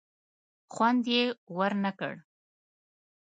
خوند یې ور نه کړ.